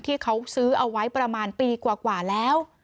ที่เขาซื้อเอาไว้ประมาณปีกว่าแล้ว